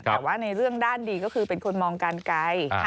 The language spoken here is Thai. แต่ว่าในเรื่องด้านดีก็คือเป็นคนมองกันไกล